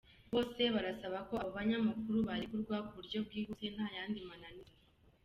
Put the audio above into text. Bose barasaba ko abo banyamakuru barekurwa ku buryo bwihuse ntayandi mananiza.